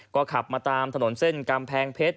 ก็ขับมาตามถนนเส้นกำแพงเพชร